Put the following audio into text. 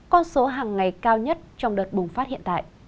con số hàng ngày cao nhất trong đợt bùng phát hiện tại